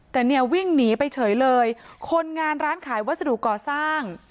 แต่เนี่ยวิ่งหนีไปเฉยเลยคนงานร้านขายวัสดุก่อสร้าง